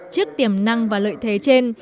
trước tiềm năng và lợi thế trên